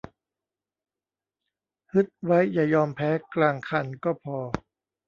ฮึดไว้อย่ายอมแพ้กลางคันก็พอ